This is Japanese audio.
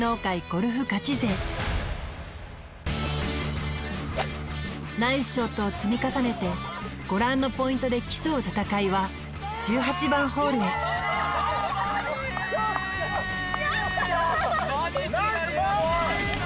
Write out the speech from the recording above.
ゴルフガチ勢ナイスショットを積み重ねてご覧のポイントで競う戦いは１８番ホールへやった！